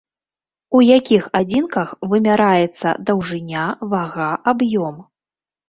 У якіх адзінках вымяраецца даўжыня, вага, аб'ём?